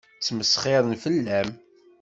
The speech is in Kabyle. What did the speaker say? Ttmesxiṛen fell-am.